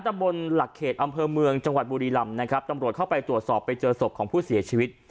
ตำบลหลักเขตอำเภอเมืองจังหวัดบุรีลำนะครับตำรวจเข้าไปตรวจสอบไปเจอศพของผู้เสียชีวิต